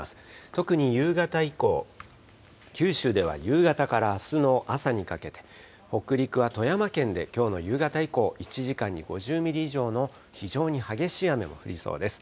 特に夕方以降、九州では夕方からあすの朝にかけて、北陸は富山県できょうの夕方以降、１時間に５０ミリ以上の非常に激しい雨も降りそうです。